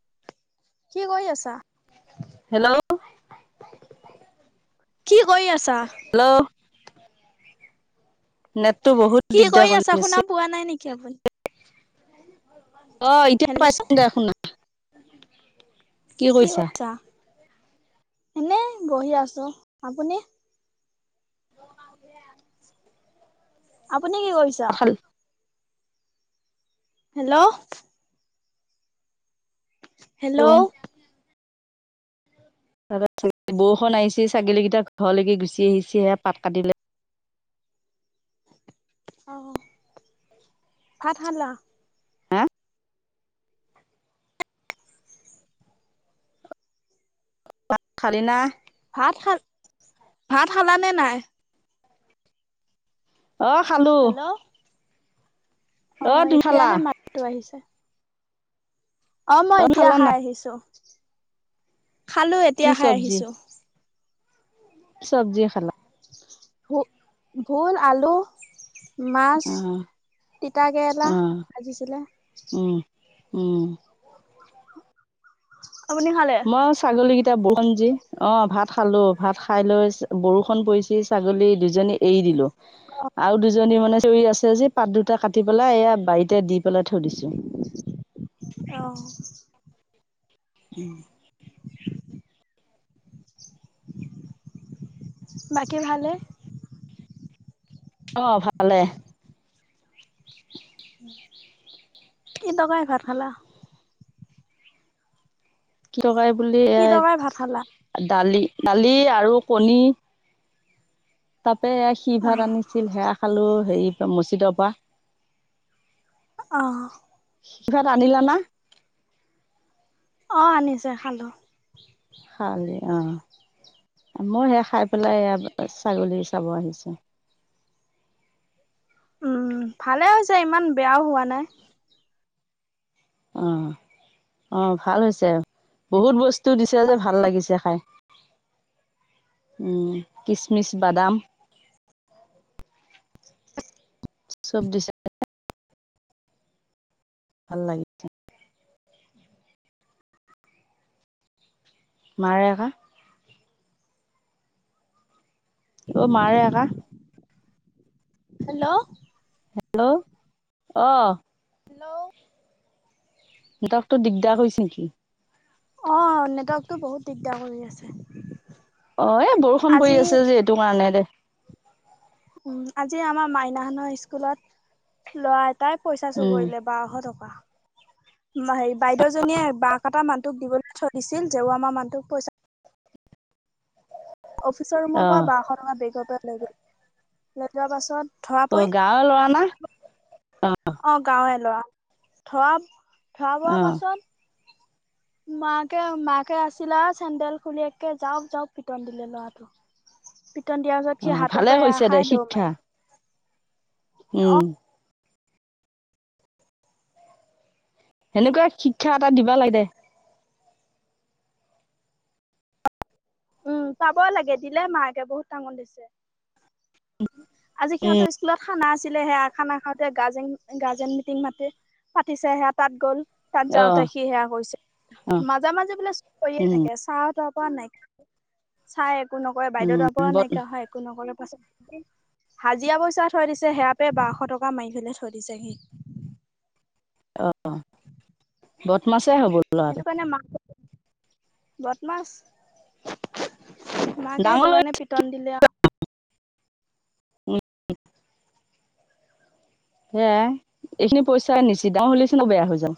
[inaudible] কি কৰি আছা? হেল্ল'। কি কৰি আছা? হেল্ল' নেটটো বহুত কি দিগদাৰ আছা কৰি শুনা আছে। [inaudible] অ এতিয়া হেল্ল'। পাইছো দে শুনা। কি কৰিছা? এনেই বহি আছো। আপুনি? আপুনি কি কৰিছ? ভাত খাল হেল্ল'। হেল্ল'। তাৰপা বৰষুণ আহিছি ছাগেলী কেইটা ঘৰলাকি গুচি আহিছি সে পাত কাটিলে। অ ভাত খালা? হেয়া। ভাত খালি না? ভাত খাল, ভাত খালানে নাই? অ খালো। হেল্ল', অ তুমি খালা এতিয়াহে মাতটো আহিছে। অ মই এতিয়া খালা খাই নাই আহিছো। খালো, কি এতিয়া খাই আহিছো। চব্জিয়ে খালা? ভু ভুল, আলু মাছ, অ তিতাকেৰেলা অ ভাজিছিলে। উম উম। আপুনি খালে? মই ছাগলীগিত তা বৰষুণ যি, অ ভাত খালো। ভাত খাই লৈ বৰষুণ পৰিচি ছাগলী দুজনী এৰি দিলো। অ', আৰু দুজ জনী মানে চিঞৰি আছে যি পাত দুটা কাটি পেলাই এয়া বাৰীতে দি পেলাই থৈ দিছো। অ। উম। বাকী ভালেই? অ ভালে। কি তয়কাৰীৰে ভাত খালা? কি তৰকাৰী বুলি কি তৰকাৰী ভাত খালা? দালি দালি আৰু কণী। এই সি অ', ভাত আনিছিল সেয়া খালো হেৰি তাৰ মছজিদৰ পৰা। অহ ', পিছত আনিলা না? অহ ', আনিছে খালো। খালি অহ ', মই সেয়া খাই পেলাই এয়া ছাগলী। চাব আহিছোঁ। উম', ভালে হৈছে ইমান বেয়াও হোৱা নাই। অঁহ ', - অঁহ ', ভাল হৈছে বহুত বস্তু দিছে যে ভাল লাগিছে খাই উম', কিচমিচ বাদাম। চব দিছে। ভাল লাগিছে মাৰে আকা অহ ', মাৰে আকা হেল্ল', হেল্ল', অহ ', হেল্ল', নেটৱৰ্কটো দিগদাৰ হৈছে নেকি? অহ ', নেটৱৰ্কটো বহুত দিগদাৰ কৰি আছে। অহ ', এ বৰষুণ পৰি আজি আছে যে এইটো কাৰণে দে। উম, আজি আমাৰ মাইনা হঁতৰ স্কুলত ল'ৰা এটাই পইচা চোৰ উম কৰিলে বাৰশ টকা। হেৰি বাইদেউজনীয়ে বাঁহ কটা মানুহটোক দিবলৈ থৈ দিছিল জেওৰা মৰা মানুহটোক পইচা অফিচৰ ৰুমৰ অ পৰা বাৰশ টকা বেগৰ পৰা লৈ গ'ল লৈ যোৱা পাছত। ধৰা অহ ', গাঁৱৰে লৰা না? অহ ', গাঁৱৰে লৰা ধৰা ধৰা পৰা অ পাছত। মাকে- মাকে আছিলা চেন্দেল খুলি একে জাৰোপ - জাৰোপ পিটন দিলে ল'ৰাটো। পিটন দিয়াৰ পাছত অ সি হাতৰ ভালে পৰা কৰিছে এৰা দে খাই দৌৰ শিক্ষা মাৰিলে। উম', সেনেকুৱা শিক্ষা এটা দিবা লাগে দে। উম', পাব লাগে দিলে মাকে বহুত টাঙন দিছে। আজি সিহঁতৰ স্কুলত খানা আছিলে সেয়া খানা খাওঁতে গাৰ্জেন - গাৰ্জেন মিটিং মাতি পাতিছে সেয়া তাত গ'ল। তাত অ যাওঁতে সি সেয়া অ কৰিছে মাজে - মাজে বোলে কৰিয়ে উম থাকে ছাৰহঁতৰ। পোৱা নাই চাই একো নকৰে বাইদেউ তাৰ উম পৰাও বদ নাইকীয়া হয় একো নকৰে। [unintelligible] হাজিৰা পইচা থৈ দিছে, সেয়া পৰাই বাৰশ টকা মাৰি পেলাই থৈ দিছে সি। অ', অ' বদমাছেই হ'ব সেইটো ল'ৰাটো কাৰণে মাক বদমাছ। মাকে ডাঙৰ সেইটো লৈ কাৰণে পিটন দিলে আৰু। উম, সেইয়াই, এইখিনি পইচা [unintelligible] চোন বেয়া হৈ যাওঁ।